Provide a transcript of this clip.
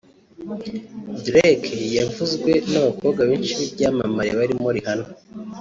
Drake yavuzwe n’abakobwa benshi b’ibyamamare barimo Rihanna